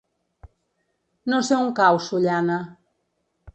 No sé on cau Sollana.